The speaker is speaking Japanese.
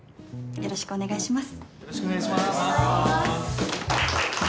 よろしくお願いします。